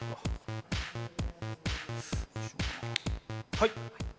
はい。